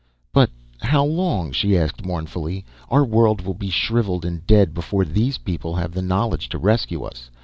"But how long?" she asked mournfully. "Our world will be shrivelled and dead before these people have the knowledge to rescue us.